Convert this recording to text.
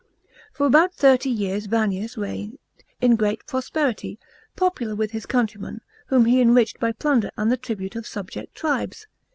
For about thirty years Vannius reigned in great prosperity, popular with his countrymen, whom he enriched by plunder and the tribute of subject tribes.